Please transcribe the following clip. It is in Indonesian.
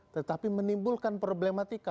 tetapi menimbulkan problematika